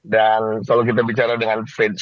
dan kalau kita bicara dengan